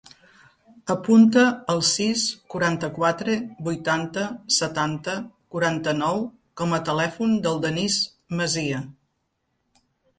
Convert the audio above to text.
Apunta el sis, quaranta-quatre, vuitanta, setanta, quaranta-nou com a telèfon del Denís Masia.